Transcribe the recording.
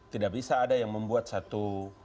tidak bisa ada yang membuat satu